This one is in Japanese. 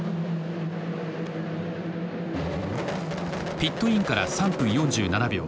ピットインから３分４７秒。